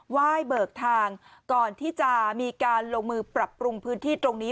ไหว้เบิกทางก่อนที่จะมีการลงมือปรับปรุงพื้นที่ตรงนี้